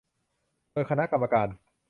โดยคณะกรรมการ